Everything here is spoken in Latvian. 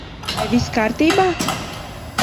Vai viss kārtībā?